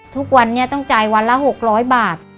ทุกวันนี้ต้องจ่ายวันละ๖๐๐บาท